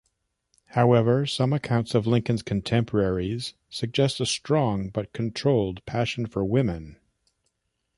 However some accounts of Lincoln's contemporaries suggest a strong but controlled passion for women.